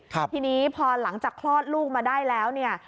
ทีนี้พอหลังจากคลอดลูกมาได้แล้วเนี่ย